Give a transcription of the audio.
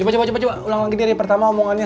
coba coba ulang lagi dari pertama omongannya